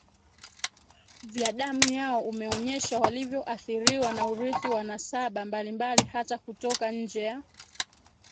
vya damu yao umeonyesha walivyoathiriwa na urithi wa nasaba mbalimbali hata kutoka nje ya